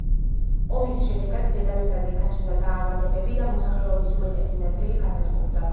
ომის შედეგად დედამიწაზე გაჩნდა დაავადებები და მოსახლეობის უმეტესი ნაწილი განადგურდა.